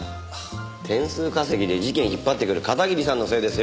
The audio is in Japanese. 点数稼ぎで事件引っ張ってくる片桐さんのせいですよ。